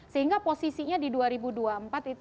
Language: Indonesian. sehingga posisinya di dua ribu dua puluh empat itu